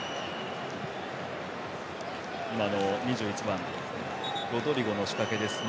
２１番、ロドリゴの仕掛けです。